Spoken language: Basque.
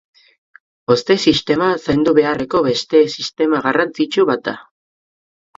Hozte sistema zaindu beharreko beste sistema garrantzitsu bat da.